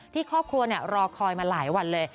ที่ครอบครัวรอคอยมาหลายวันเลย